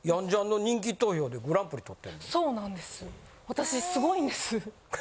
私すごいんです。